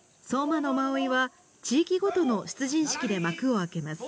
馬追は、地域ごとの出陣式で幕を開けます。